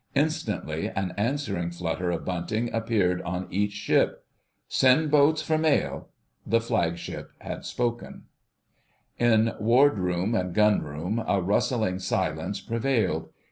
Instantly an answering flutter of bunting appeared on each ship. "Send boats for mails." The Flagship had spoken. In Wardroom and Gunroom a rustling silence prevailed.